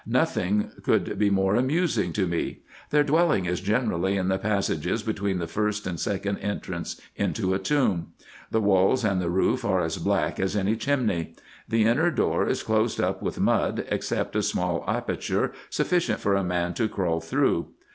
Nothing could be more amusing to me. Their dwelling is generally in the passages between the first and second entrance into a tomb. The walls and the roof are as black as any chimney. The inner door is closed up with mud, except a small aperture sufficient for a man to crawl through.